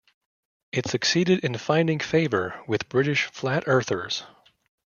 It succeeded in finding favour with British "flat-earthers".